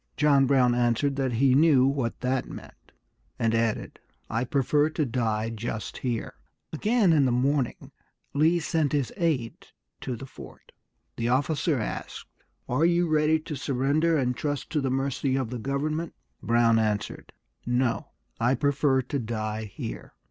John Brown answered that he knew what that meant, and added, "I prefer to die just here." Again in the morning Lee sent his aide to the fort. The officer asked, "Are you ready to surrender, and trust to the mercy of the government?" Brown answered, "No, I prefer to die here."